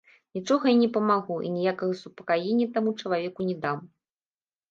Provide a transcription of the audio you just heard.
Нічога я не памагу і ніякага супакаення таму чалавеку не дам.